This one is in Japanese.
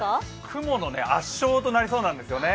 雲の圧勝となりそうなんですよね。